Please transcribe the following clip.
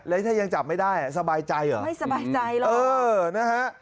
แล้วถ้ายังจับไม่ได้สบายใจเหรอเออนะฮะไม่สบายใจหรอก